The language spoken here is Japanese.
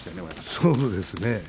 そうですね。